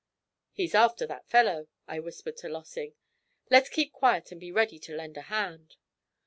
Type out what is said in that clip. '"He's after that fellow," I whispered to Lossing; "let's keep quiet and be ready to lend a hand."